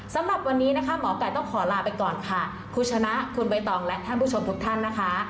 สำหรับวันนี้นะคะหมอไก่ต้องขอลาไปก่อนค่ะคุณชนะคุณใบตองและท่านผู้ชมทุกท่านนะคะ